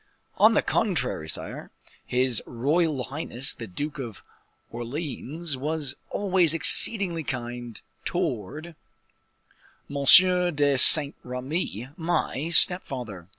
"On the contrary, sire. His royal highness, the Duke of Orleans, was always exceedingly kind towards M. de Saint Remy, my step father.